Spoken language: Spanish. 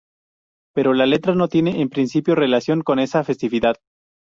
Pero la letra no tiene en principio relación con esta festividad.